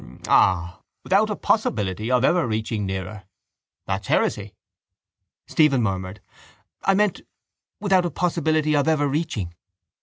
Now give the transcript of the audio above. Ah! without a possibility of ever approaching nearer. That's heresy. Stephen murmured: —I meant without a possibility of ever reaching.